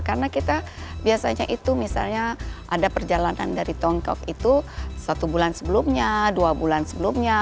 karena kita biasanya itu misalnya ada perjalanan dari tongkok itu satu bulan sebelumnya dua bulan sebelumnya